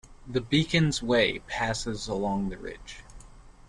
The Beacons Way passes along the ridge.